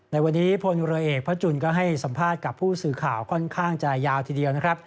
ในวันนี้พลเรือเอกพระจุลก็ให้สัมภาษณ์กับผู้สื่อข่าวค่อนข้างจะยาวทีเดียวนะครับ